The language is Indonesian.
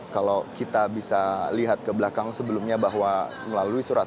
kalau kita bisa lihat ke belakang sebelumnya bahwa melalui surat